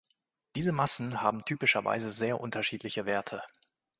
Diese Massen haben typischerweise sehr unterschiedliche Werte.